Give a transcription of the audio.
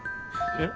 えっ？